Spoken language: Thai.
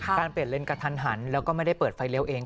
เปลี่ยนเลนกระทันหันแล้วก็ไม่ได้เปิดไฟเลี้ยวเอง